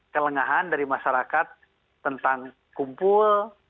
kelengahan dari masyarakat tentang kumpul